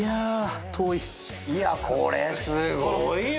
いやこれすごいよ！